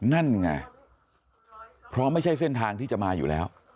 นั่นไงเพราะไม่ใช่เส้นทางที่จะมาอยู่แล้ว